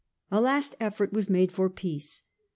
A last effort was made for peace.